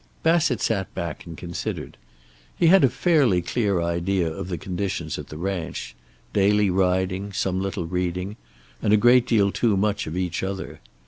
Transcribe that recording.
Bassett sat back and considered. He had a fairly clear idea of the conditions at the ranch; daily riding, some little reading, and a great deal too much of each other.